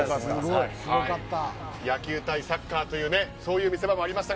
野球対サッカーという見せ場もありました。